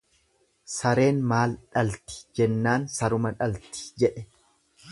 """Sareen maal dhalti"" jennaan ""saruma dhalti"" jedhe."